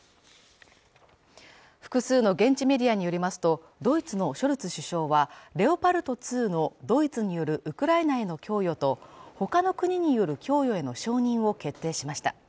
複数の現地メディアによりますとドイツのショルツ首相はレオパルト２のドイツによるウクライナへの供与とほかの国による供与への承認を決定しました